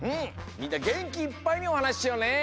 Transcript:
みんなげんきいっぱいにおはなししようね！